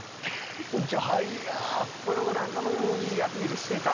この子なんかもいいアピールしてた。